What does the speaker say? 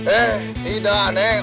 eh tidak neng